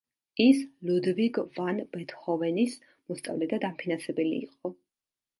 ის ლუდვიგ ვან ბეთჰოვენის მოსწავლე და დამფინანსებელი იყო.